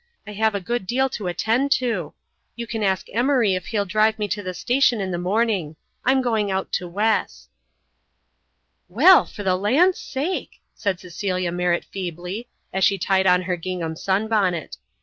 I have a good deal to attend to. You can ask Emory if he'll drive me to the station in the morning. I'm going out to Wes." "Well, for the land's sake," said Cecilia Merritt feebly, as she tied on her gingham sunbonnet.